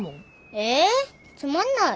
えつまんない。